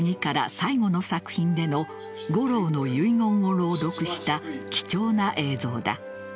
最後の作品での五郎の遺言を朗読した貴重な映像だ。